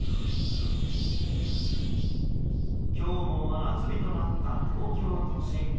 今日も真夏日となった東京都心。